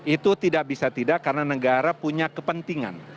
itu tidak bisa tidak karena negara punya kepentingan